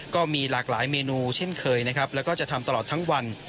ก็มีหลากหลายเมนูเช่นเคยนะครับแล้วก็จะทำตลอดทั้งวัน